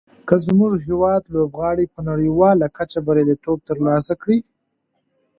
که زموږ هېواد لوبغاړي په نړیواله کچه بریالیتوب تر لاسه کړي.